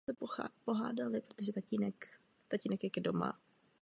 Zajímal se o místní dějiny a psal historické romány a povídky.